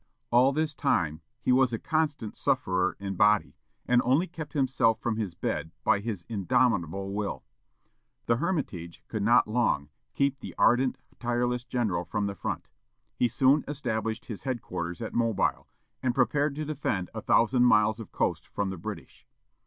All this time he was a constant sufferer in body, and only kept himself from his bed by his indomitable will. The Hermitage could not long keep the ardent, tireless general from the front. He soon established his headquarters at Mobile, and prepared to defend a thousand miles of coast from the British.